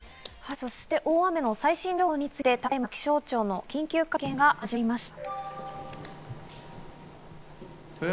そして大雨の最新情報についてたった今、気象庁の緊急会見が始まりました。